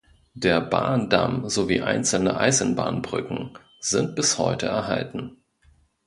Der Bahndamm sowie einzelne Eisenbahnbrücken sind bis heute erhalten.